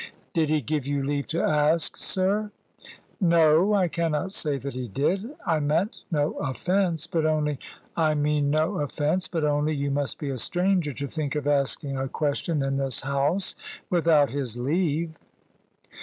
"Did he give you leave to ask, sir?" "No, I cannot say that he did. I meant no offence; but only " "I mean no offence; but only, you must be a stranger to think of asking a question in this house without his leave."